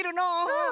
うん。